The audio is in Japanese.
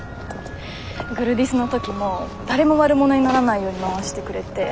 グルディスの時も誰も悪者にならないように回してくれて。